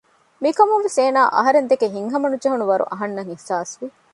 މިކަމުން ވެސް އޭނާ އަހަރެން ދެކެ ހިތްހަމަނުޖެހުނު ވަރު އަހަންނަށް އިހުސާސްވި